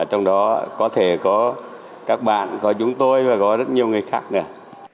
trong đó có thể có các bạn có chúng tôi và có rất nhiều người khác nữa